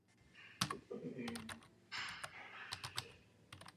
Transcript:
Početné folklorní festivaly organizuje každý rok řada občanských sdružení.